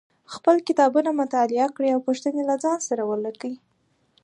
خپل کتابونه مطالعه کړئ او پوښتنې له ځان سره ولیکئ